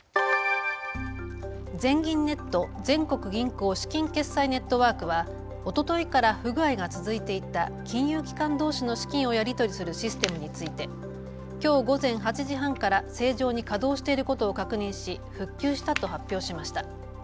全銀ネット・全国銀行資金決済ネットワークはおとといから不具合が続いていた金融機関どうしの資金をやり取りするシステムについてきょう午前８時半から正常に稼働していることを確認し復旧したと発表しました。